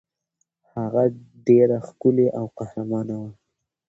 هغه ډېره ښکلې او قهرمانه وه.